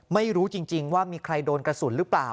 ไม่รู้จริงว่ามีใครโดนกระสุนหรือเปล่า